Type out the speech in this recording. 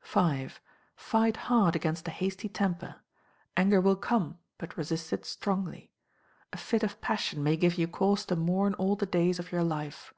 v. Fight hard against a hasty temper. Anger will come, but resist it strongly. A fit of passion may give you cause to mourn all the days of your life.